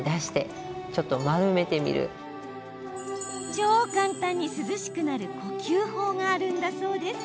超簡単に涼しくなる呼吸法があるんだそうです。